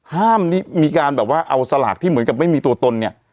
ห้ามมีการแบบว่าเอาสลากที่เหมือนกับไม่มีตัวตนเนี่ย